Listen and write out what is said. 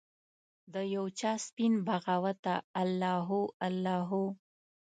د یوچا سپین بغاوته الله هو، الله هو